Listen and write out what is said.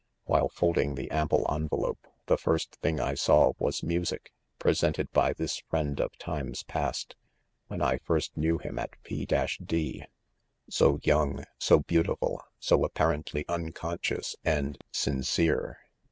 . 1 While folding the ample envelope, the first thing I saw was music, presented by this friend of times past, when I first knew him at P— — d, — so young — so beautiful — so apparently un° conscious and sincere